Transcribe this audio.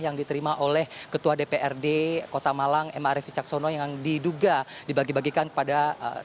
yang diterima oleh ketua dprd kota malang m arief ficaksono yang diduga dibagi bagikan kepada